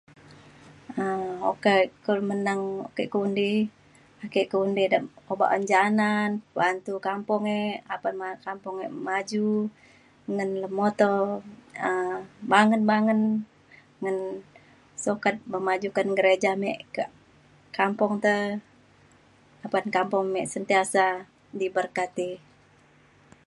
um okak e menang okak ke menang undi ake keundi da obak un janan bantu kampung e apan ma- apan kampung e maju ngan lemuto um bangen bangen ngan sukat memajukan gereja me kak kampung te apan kampung me sentiasa diberkati.